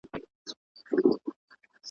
پرلحد به دي رقیبه نه بیرغ وي نه جنډۍ وي `